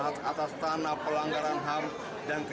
amin bukanlah people power yang sebenarnya